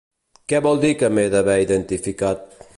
Que vol dir que m’he d’haver identificat?